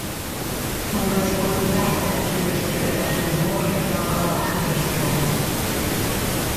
Mae wedi bod yn bleser cydweithio gyda rhywun mor gefnogol a chyfeillgar